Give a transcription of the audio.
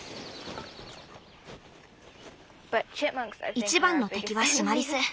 一番の敵はシマリス。